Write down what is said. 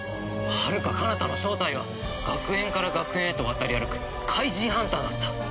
「遙彼方の正体は学園から学園へと渡り歩く怪人ハンターだった」